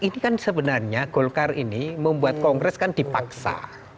ini kan sebenarnya golkar ini membuat kongres kan dipaksa